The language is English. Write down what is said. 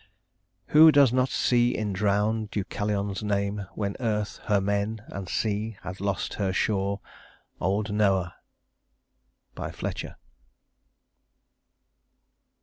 "Who does not see in drowned Deucalion's name, When Earth her men, and Sea had lost her shore, Old Noah!" FLETCHER.